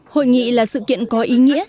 hội nghị là sự kiện có ý nghĩa